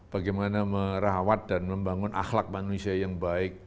bagaimana merawat dan membangun akhlak manusia yang baik